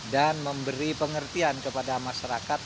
dan memberi pengertian kepada masyarakat